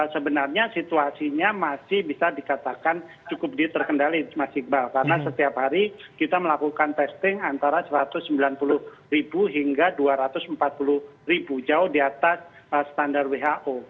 sebenarnya situasinya masih bisa dikatakan cukup terkendali mas iqbal karena setiap hari kita melakukan testing antara satu ratus sembilan puluh ribu hingga dua ratus empat puluh jauh di atas standar who